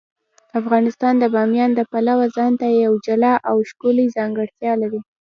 افغانستان د بامیان د پلوه ځانته یوه جلا او ښکلې ځانګړتیا لري.